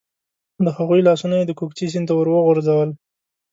د هغوی لاسونه یې د کوکچې سیند ته ور وغورځول.